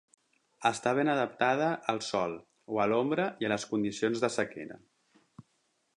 Està ben adaptada al Sol o a l'ombra i a les condicions de sequera.